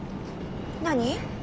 何？